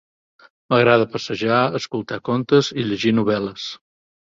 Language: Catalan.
M'agrada passejar, escoltar contes i llegir novel·les.